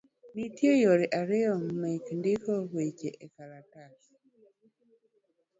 Nitie yore ariyo mek ndiko weche e otas